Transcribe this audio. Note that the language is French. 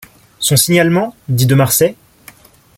Son signalement ? dit de Marsay.